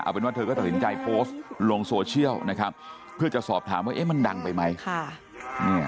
เป็นว่าเธอก็ตัดสินใจโพสต์ลงโซเชียลนะครับเพื่อจะสอบถามว่ามันดังไปไหม